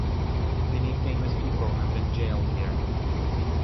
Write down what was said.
Many famous people have been jailed here.